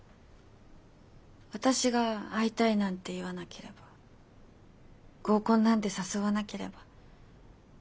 私が会いたいなんて言わなければ合コンなんて誘わなければ。